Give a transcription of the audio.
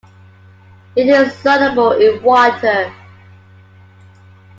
It is soluble in water.